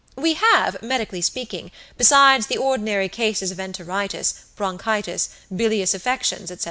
We have, medically speaking, besides the ordinary cases of enteritis, bronchitis, bilious affections, etc.